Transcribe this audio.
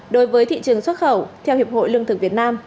đối với thị trường xuất khẩu theo hiệp hội lương thực việt nam